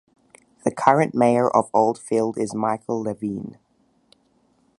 The current mayor of Old Field is Michael Levine.